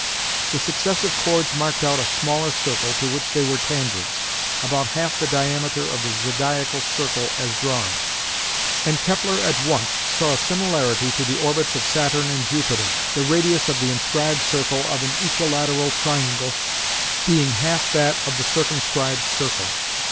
The successive chords marked out a smaller circle to which they were tangents, about half the diameter of the zodiacal circle as drawn, and Kepler at once saw a similarity to the orbits of Saturn and Jupiter, the radius of the inscribed circle of an equilateral triangle being half that of the circumscribed circle.